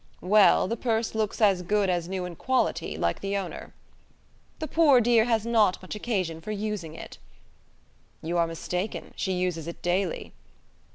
"Well, the purse looks as good as new in quality, like the owner." "The poor dear has not much occasion for using it." "You are mistaken: she uses it daily."